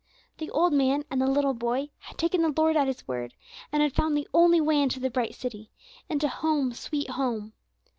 The old man and the little boy had taken the Lord at His word, and had found the only way into the bright city, into "Home, sweet Home."